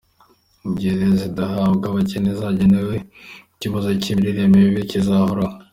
Mu gihe rero zidahabwa abakene zagenewe, ikibazo cy’imirire mibi kizahoraho.